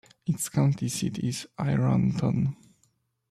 Its county seat is Ironton.